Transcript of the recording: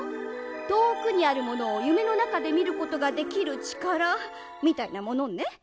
とおくにあるものをゆめのなかでみることができるちからみたいなものね。